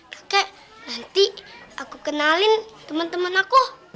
kakek nanti aku kenalin temen temen aku